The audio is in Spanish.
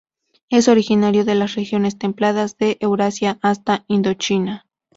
Es originario de las regiones templadas de Eurasia hasta Indochina.